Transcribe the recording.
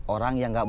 orang yang gak banyak